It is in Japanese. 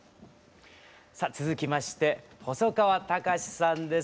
続きまして細川たかしさんです。